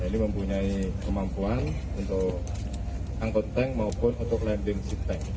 ini mempunyai kemampuan untuk angkut tank maupun untuk landing ship tank